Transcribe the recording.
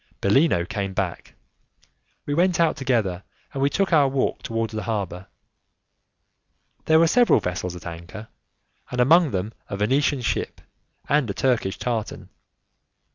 Bellino came back, we went out together, and we took our walk towards the harbour. There were several vessels at anchor, and amongst them a Venetian ship and a Turkish tartan.